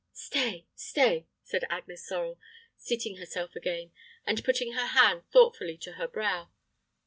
"Stay stay," said Agnes Sorel, seating herself again, and putting her hand thoughtfully to her brow.